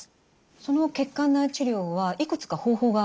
その血管内治療はいくつか方法がありますよね？